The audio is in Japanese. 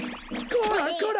こらこら！